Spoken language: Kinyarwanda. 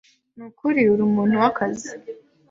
Nukuri uri umuntu wakazi.